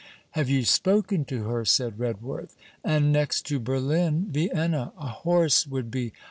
'Have you spoken to her?' said Redworth. 'And next to Berlin! Vienna! A horse would be....